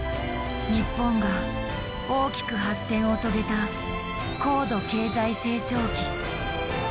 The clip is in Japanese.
日本が大きく発展を遂げた高度経済成長期。